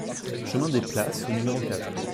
Chemin des Places au numéro quatre